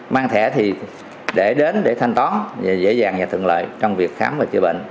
mang thẻ thì để đến để thanh toán dễ dàng và thuận lợi trong việc khám và chữa bệnh